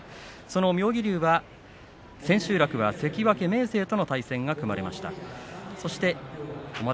妙義龍は千秋楽は関脇明生との対戦が組まれました。